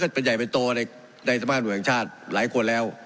ก็เป็นใหญ่เป็นโตในในสมาธิหนุ่มแห่งชาติหลายคนแล้ว